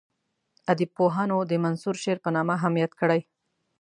ادبپوهانو د منثور شعر په نامه هم یاد کړی.